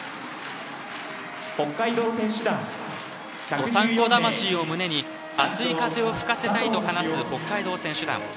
道産子魂を胸に熱い風を吹かせたいと話す北海道選手団。